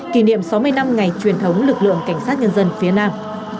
kỷ niệm sáu mươi năm ngày truyền thống lực lượng cảnh sát nhân dân phía nam